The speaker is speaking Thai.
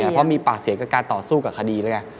เพราะมีปากเสียงกับการต่อสู้กับคดีแล้วไง